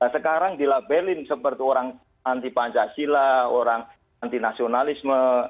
sekarang dilabelin seperti orang anti pancasila orang anti nasionalisme